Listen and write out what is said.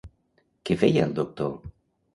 Què feia el doctor?